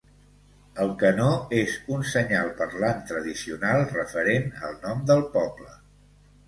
El canó és un senyal parlant tradicional referent al nom del poble.